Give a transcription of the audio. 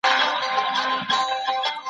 ایا د کبانو غوښه د حافظې لپاره ګټوره ده؟